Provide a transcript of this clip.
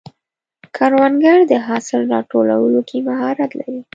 کروندګر د حاصل راټولولو کې مهارت لري